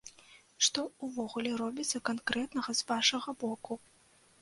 Што ўвогуле робіцца канкрэтнага з вашага боку?